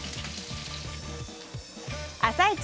「あさイチ」